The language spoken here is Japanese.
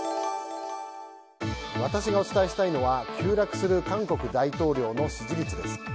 私がお伝えしたいのは急落する韓国大統領の支持率です。